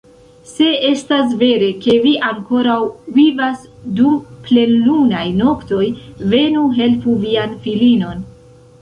Se estas vere ke vi ankoraŭ vivas dum plenlunaj noktoj, venu, helpu vian filinon!